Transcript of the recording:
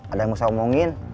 ada yang usah omongin